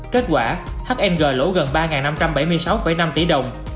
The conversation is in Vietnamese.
kết quả hm lỗ gần ba năm trăm bảy mươi sáu năm tỷ đồng